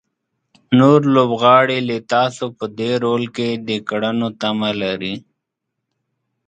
نور لوبغاړي له تاسو په دې رول کې د کړنو تمه لري.